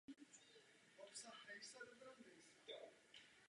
V současnosti v budově sídlí magistrát města Moskvy.